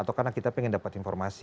atau karena kita pengen dapat informasi